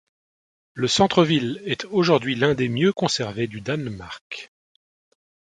Le centre-ville est aujourd’hui l’un des mieux conservés du Danemark.